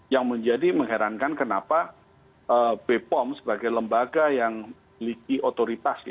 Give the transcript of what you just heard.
yang menjadi mengherankan kenapa bepom sebagai lembaga yang memiliki otoritas